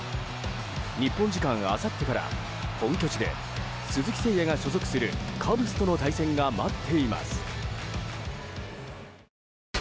日本時間あさってから本拠地で鈴木誠也が所属するカブスとの対戦が待っています。